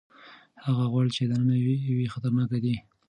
هغه غوړ چې دننه وي خطرناک دي.